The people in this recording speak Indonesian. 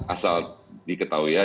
asal diketahui ya